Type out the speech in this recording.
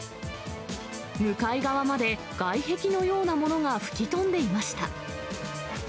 向かい側まで、外壁のようなものが吹き飛んでいました。